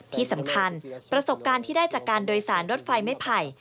ที่สำคัญประสบการณ์ที่ได้จากการโดยสารรถไฟไม่ไผ่